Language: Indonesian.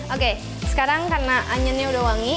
oke sekarang karena anyennya udah wangi